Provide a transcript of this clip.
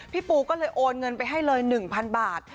ปูก็เลยโอนเงินไปให้เลย๑๐๐บาท